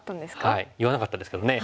はい言わなかったですけどね。